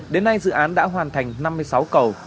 đến nay dự án đã hoàn thành năm mươi sáu cầu